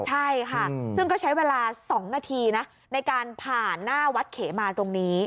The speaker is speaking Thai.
ใช่ค่ะซึ่งก็ใช้เวลา๒นาทีนะในการผ่านหน้าวัดเขมาตรงนี้